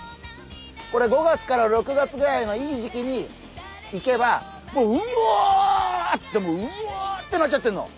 これ５月から６月ぐらいのいい時期に行けばもううおってうおってなっちゃってんの。